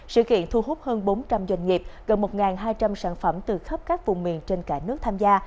sự kiện thu hút hơn bốn trăm linh doanh nghiệp gần một hai trăm linh sản phẩm từ khắp các vùng miền trên cả nước tham gia